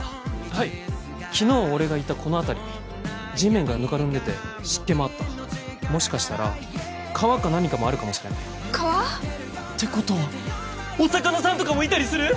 はい昨日俺がいたこの辺り地面がぬかるんでて湿気もあったもしかしたら川か何かもあるかもしれない川！？ってことはお魚さんとかもいたりする？